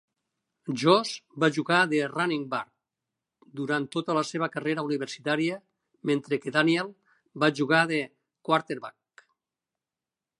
Josh va jugar de "running back" durant tota la seva carrera universitària mentre que Daniel va jugar de "quarterback".